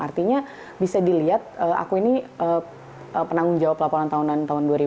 artinya bisa dilihat aku ini penanggung jawab laporan tahunan dua ribu dua puluh